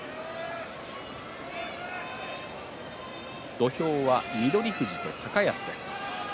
土俵は翠富士と高安です。